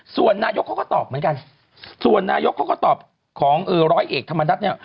ส่วนนายกเขาก็ตอบเหมือนกันส่วนนายกเขาก็ตอบของร้อยเอกธรรมนัฐเนี่ย